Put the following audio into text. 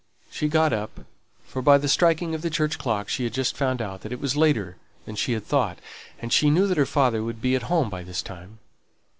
She got up, for by the striking of the church clock she had just found out that it was later than she had thought, and she knew that her father would be at home by this time.